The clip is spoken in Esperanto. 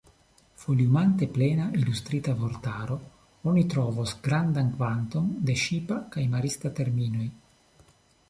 Foliumante Plena Ilustrita Vortaro, oni trovos grandan kvanton de ŝipa kaj marista terminoj.